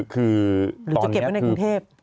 คือหรือจะเก็บไว้ในกรุงเทพ